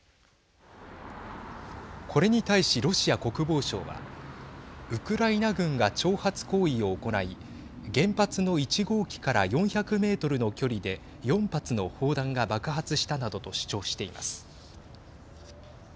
これに対し、ロシア国防省はウクライナ軍が挑発行為を行い原発の１号機から４００メートルの距離で４発の砲弾が爆発したなどと主張しています。